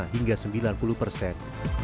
delapan puluh lima hingga sembilan puluh persen